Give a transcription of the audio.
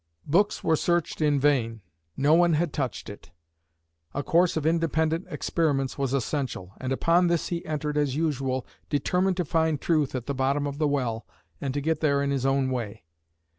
Books were searched in vain. No one had touched it. A course of independent experiments was essential, and upon this he entered as usual, determined to find truth at the bottom of the well and to get there in his own way.